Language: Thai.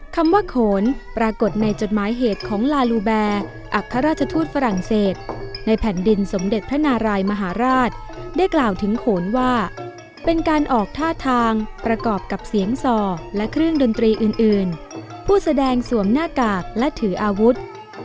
คำว่าโขนปรากฏในจดหมายเหตุของลาลูแบร์อัครราชทูตฝรั่งเศสในแผ่นดินสมเด็จพระนารายมหาราชได้กล่าวถึงโขนว่าเป็นการออกท่าทางประกอบกับเสียงส่อและเครื่องดนตรีอื่นผู้แสดงสวมหน้ากากและถืออาวุธ